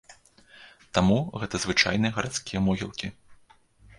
Таму гэта звычайныя гарадскія могілкі.